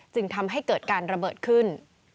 จึงทำให้เกิดการระเบิดขึ้น